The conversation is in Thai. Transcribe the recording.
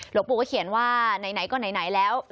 หลวงปู่ก็เขียนว่าไหนก็ไหนแล้ว